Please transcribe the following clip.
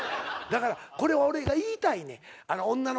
だからこれは俺が言いたいねん。